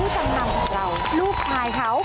จำนำของเราลูกชายเขา